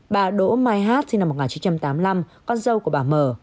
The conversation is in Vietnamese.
bà đỗ mai hát sinh năm một nghìn chín trăm tám mươi năm con dâu của bà mờ